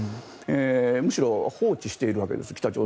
むしろ放置しているわけです。